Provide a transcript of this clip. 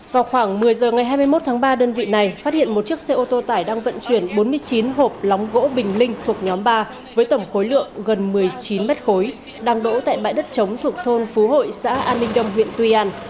vào khoảng một mươi giờ ngày hai mươi một tháng ba đơn vị này phát hiện một chiếc xe ô tô tải đang vận chuyển bốn mươi chín hộp lóng gỗ bình minh thuộc nhóm ba với tổng khối lượng gần một mươi chín mét khối đang đổ tại bãi đất trống thuộc thôn phú hội xã an ninh đông huyện tuy an